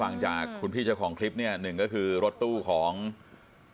ถ้าฟังจากคุณพี่เจ้าของคลิปนี่ก็คือรถตู้ของหลวงพ่อ